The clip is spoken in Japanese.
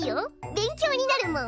勉強になるもん。